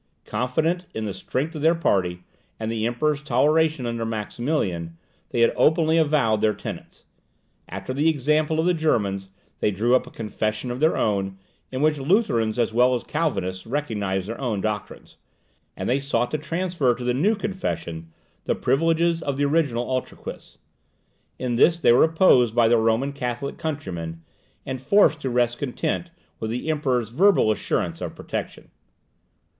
Confident in the strength of their party, and the Emperor's toleration under Maximilian, they had openly avowed their tenets. After the example of the Germans, they drew up a Confession of their own, in which Lutherans as well as Calvinists recognized their own doctrines, and they sought to transfer to the new Confession the privileges of the original Utraquists. In this they were opposed by their Roman Catholic countrymen, and forced to rest content with the Emperor's verbal assurance of protection.